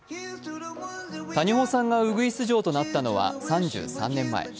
谷保さんがウグイス嬢となったのは３３年前。